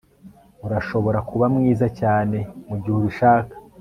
Urashobora kuba mwiza cyane mugihe ubishaka